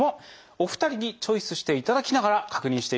お二人にチョイスしていただきながら確認していきたいと思います。